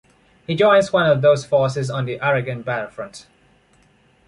He joins one of those forces on the Aragon battlefront.